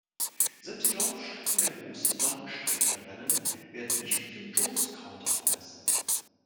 Selbst die Laufstrecken der großen Langstreckenrennen werden nicht mit dem Jones-Counter vermessen.